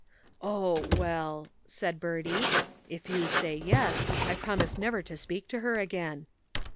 "Oh, well," said Bertie. "If you say 'yes,' I promise never to speak to her again."